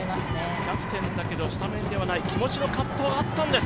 キャプテンだけどスタメンではない、気持ちの葛藤があったんです